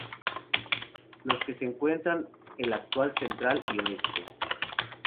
Los que se encuentran el actual Central y Oeste.